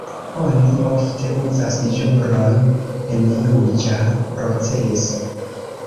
Oni ofte uzas ĵuron en juĝa proceso.